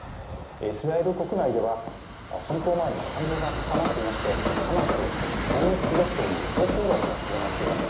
イスラエル国内では侵攻前に感情が高まっていましてハマスをせん滅すべしという強硬論も広まっています。